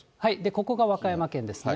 ここが和歌山県ですね。